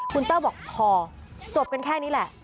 คุณเต้าบอกพอจบกันแค่นี้แหละ